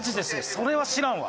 それは知らんわ。